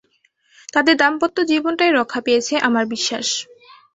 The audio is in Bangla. তাদের দাম্পত্য জীবনটাই রক্ষা পেয়েছে, আমার বিশ্বাস।